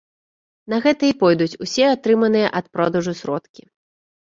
На гэта і пойдуць усе атрыманыя ад продажу сродкі.